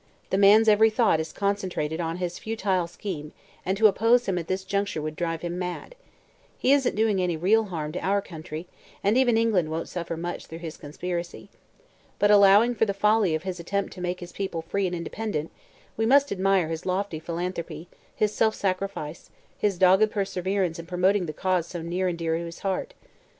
The man's every thought is concentrated on his futile scheme and to oppose him at this juncture would drive him mad. He isn't doing any real harm to our country and even England won't suffer much through his conspiracy. But, allowing for the folly of his attempt to make his people free and independent, we must admire his lofty philanthropy, his self sacrifice, his dogged perseverence in promoting the cause so near and dear to his heart.